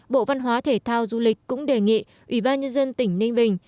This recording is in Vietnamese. bộ văn hóa thể thao du lịch cũng đề nghị ủy ban nhân dân tỉnh ninh bình